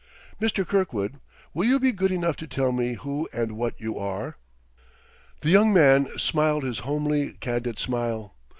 "Mr. Kirkwood, will you be good enough to tell me who and what you are?" The young man smiled his homely, candid smile.